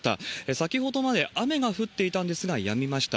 先ほどまで雨が降っていたんですが、やみました。